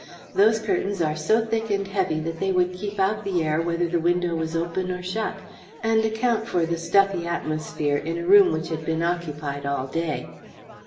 Those curtains are so thick and heavy that they would keep out the air whether the window was open or shut, and account for the stuffy atmosphere in a room which had been occupied all day.